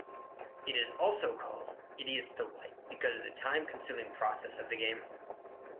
It is also called Idiot's Delight because of the time-consuming process of the game.